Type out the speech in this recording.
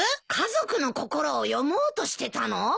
家族の心を読もうとしてたの？